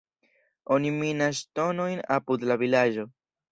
Oni minas ŝtonojn apud la vilaĝo.